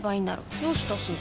どうしたすず？